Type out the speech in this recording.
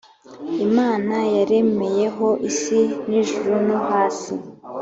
imana yaremeyeho isi n ijuru no hasi